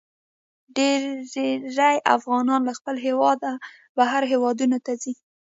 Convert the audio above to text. ډیرې افغانان له خپل هیواده بهر هیوادونو ته ځي.